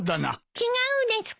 違うですか？